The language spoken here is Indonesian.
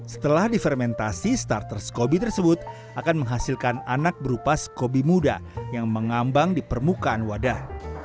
setelah difermentasi starter scoby tersebut akan menghasilkan anak berupa skobi muda yang mengambang di permukaan wadah